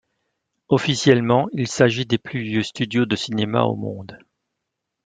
Officiellement, il s'agit des plus vieux studios de cinéma au monde.